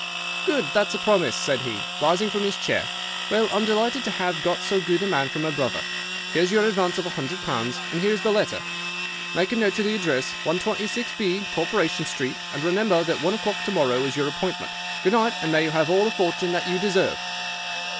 "'Good! That's a promise,' said he, rising from his chair. 'Well, I'm delighted to have got so good a man for my brother. Here's your advance of a hundred pounds, and here is the letter. Make a note of the address, 126B, Corporation Street, and remember that one o'clock to morrow is your appointment. Good night; and may you have all the fortune that you deserve!